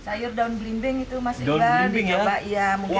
sayur daun belimbing itu masih tinggal di jawa